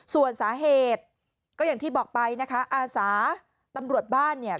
ส่วนสาเหตุก็อย่างที่บอกไปนะคะอาสาตำรวจบ้านเนี่ย